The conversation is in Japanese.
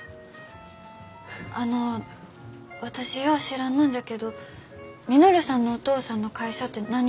あの私よう知らんのんじゃけど稔さんのお父さんの会社て何を作らりょんですか？